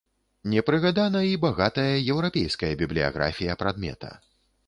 Не прыгадана і багатая еўрапейская бібліяграфія прадмета.